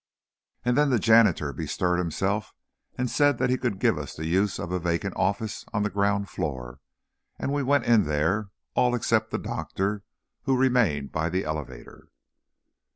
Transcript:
And then the janitor bestirred himself, and said he could give us the use of a vacant office on the ground floor, and we went in there, all except the doctor, who remained by the elevator.